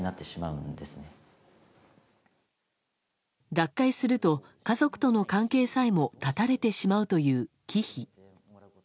奪回すると家族との関係さえも断たれてしまうという忌避。